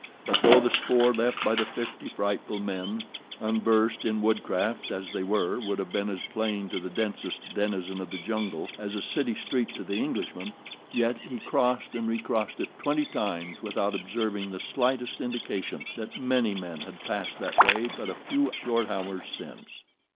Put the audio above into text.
But though the spoor left by the fifty frightful men, unversed in woodcraft as they were, would have been as plain to the densest denizen of the jungle as a city street to the Englishman, yet he crossed and recrossed it twenty times without observing the slightest indication that many men had passed that way but a few short hours since.